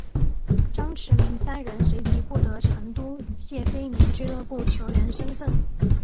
张池明三人随即获得成都谢菲联俱乐部球员身份。